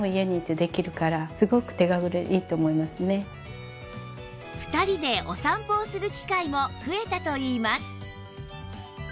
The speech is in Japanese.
さらに２人でお散歩をする機会も増えたといいます